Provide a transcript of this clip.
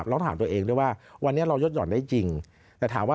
เป็นคำติดตาม